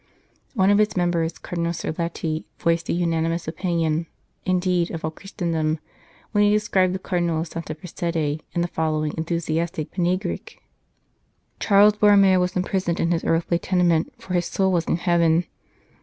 One of its members, Cardinal Sirletti, voiced the unanimous opinion of all indeed, of all Christendom when he described the Cardinal of Santa Prassede in the following enthusiastic panegyric :" Charles Borromeo was imprisoned in his earthly tenement, for his soul was in heaven.